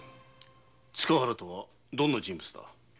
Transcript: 塚原とはどんな人物だ？